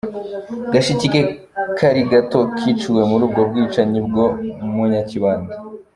Gashiki ke kari gato kiciwe muri ubwo bwicanyi bwo mu Nyakibanda.